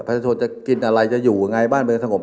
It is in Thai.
พระเจ้าโทรจะกินอะไรจะอยู่ไงบ้านบริเวณสงบ